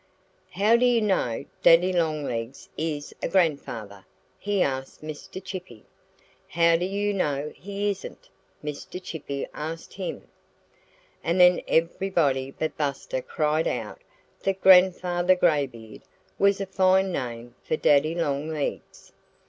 "How do you know Daddy Longlegs is a grandfather?" he asked Mr. Chippy. "How do you know he isn't?" Mr. Chippy asked him. And then everybody but Buster cried out that "Grandfather Graybeard" was a fine name for Daddy Longlegs.